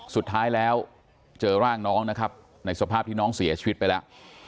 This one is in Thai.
สุดท้ายแล้วเจอร่างน้องนะครับในสภาพที่น้องเสียชีวิตไปแล้ว